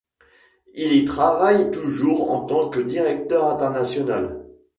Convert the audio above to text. Il y travaille toujours en tant que directeur international.